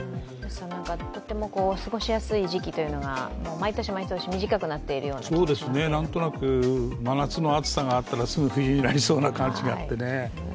とっても過ごしやすい時期が毎年毎年短くなっているような気がしますけど何となく、真夏の暑さがあったらすぐに冬になりそうな感じがあってね。